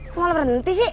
kok lo berhenti sih